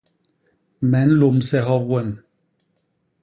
Me nlômse hop wem.